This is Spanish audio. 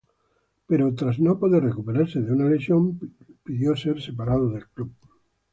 Pero tras no poder recuperarse de una lesión pidió ser separado del club.